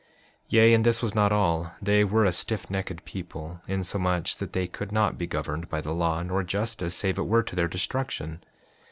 5:3 Yea, and this was not all; they were a stiffnecked people, insomuch that they could not be governed by the law nor justice, save it were to their destruction.